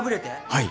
はい。